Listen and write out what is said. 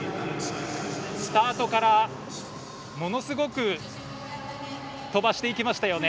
スタートから、ものすごく飛ばしていきましたよね。